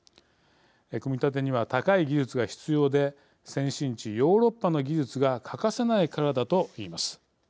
組み立てには高い技術が必要で先進地、ヨーロッパの技術が欠かせないからだと言います。